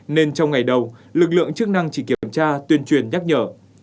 nên trong ngày đầu lực lượng chức năng chỉ kiểm tra tuyên truyền nhắc nhở